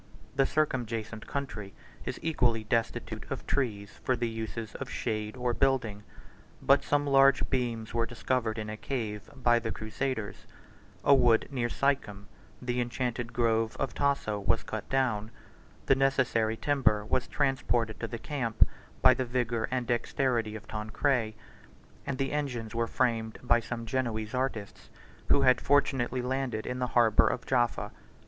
The circumjacent country is equally destitute of trees for the uses of shade or building, but some large beams were discovered in a cave by the crusaders: a wood near Sichem, the enchanted grove of Tasso, 109 was cut down: the necessary timber was transported to the camp by the vigor and dexterity of Tancred; and the engines were framed by some Genoese artists, who had fortunately landed in the harbor of Jaffa.